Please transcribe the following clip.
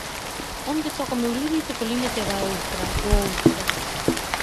Onde toca o meu límite co límite da outra, do outro?